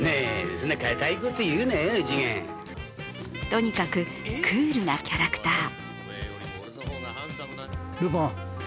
とにかくクールなキャラクター。